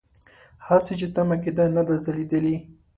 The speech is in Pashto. هغسې چې تمه کېده نه ده ځلېدلې.